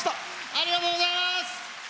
ありがとうございます！